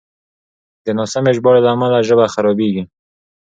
د ناسمې ژباړې له امله ژبه خرابېږي.